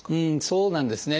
そうなんですね。